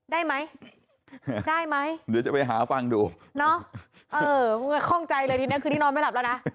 ได้ไหมได้ไหมเดี๋ยวจะไปหาฟังดูเนอะเออคงจะคล่องใจเลยทีนี้คืนนี้นอนไม่หลับแล้วนะ